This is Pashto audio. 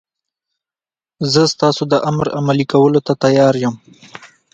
زه ستاسو د امر عملي کولو ته تیار یم.